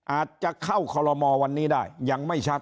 อาจจะเข้าคอลโลมอลวันนี้ได้ยังไม่ชัด